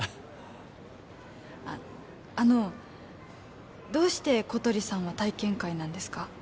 あのどうして小鳥さんは体験会なんですか？